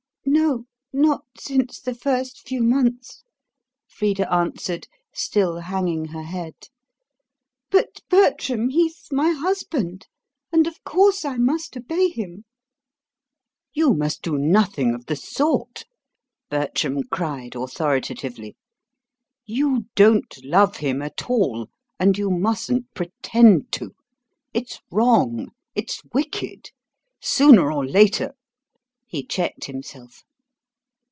"No, not since the first few months," Frida answered, still hanging her head. "But, Bertram, he's my husband, and of course I must obey him." "You must do nothing of the sort," Bertram cried authoritatively. "You don't love him at all, and you mustn't pretend to. It's wrong: it's wicked. Sooner or later " He checked himself.